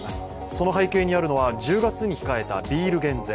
その背景にあるのは１０月に控えたビール減税。